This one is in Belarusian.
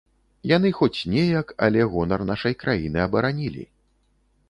Яны хоць неяк, але гонар нашай краіны абаранілі.